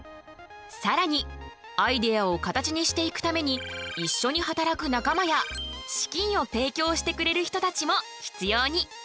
さらにアイデアを形にしていくために一緒に働く仲間や資金を提供してくれる人たちも必要に！